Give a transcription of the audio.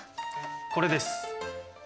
これです。